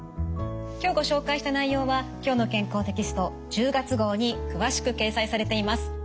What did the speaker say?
今日ご紹介した内容は「きょうの健康」テキスト１０月号に詳しく掲載されています。